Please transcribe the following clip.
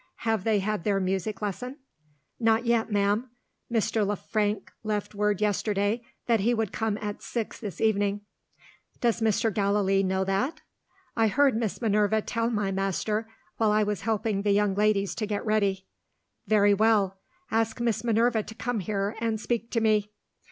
"Have they had their music lesson?" "Not yet, ma'am. Mr. Le Frank left word yesterday that he would come at six this evening." "Does Mr. Gallilee know that?" "I heard Miss Minerva tell my master, while I was helping the young ladies to get ready." "Very well. Ask Miss Minerva to come here, and speak to me."